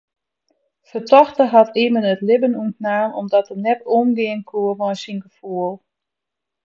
Fertochte hat immen it libben ûntnaam omdat er net omgean koe mei syn gefoel.